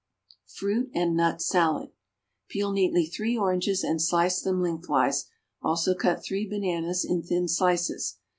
=Fruit and Nut Salad.= Peel neatly three oranges and slice them lengthwise; also cut three bananas in thin slices.